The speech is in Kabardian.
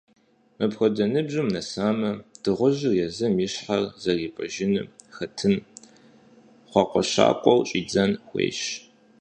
Мыпхуэдэ ныбжьым нэсамэ, дыгъужьым езым и щхьэр зэрипӀыжыным хэтын, хъуакӀуэщакӀуэу щӀидзэн хуейщ.